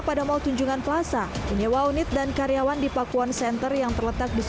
karena memang lampunya padam karena kebakaran kemarin